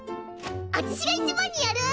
あちしが一番にやる！